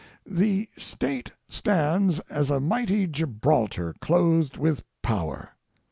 The State stands as a mighty Gibraltar clothed with power.